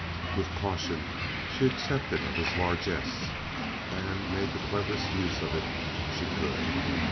With caution she accepted of his largess, and made the cleverest use of it she could.